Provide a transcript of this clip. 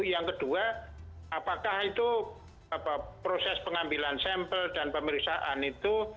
yang kedua apakah itu proses pengambilan sampel dan pemeriksaan itu